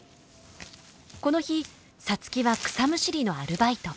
この日皐月は草むしりのアルバイト。